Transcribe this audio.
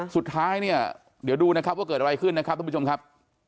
สุดท้ายเนี่ยเดี๋ยวดูนะครับว่าเกิดอะไรขึ้นนะครับทุกผู้ชมครับ